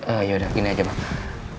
eh yaudah gini aja mama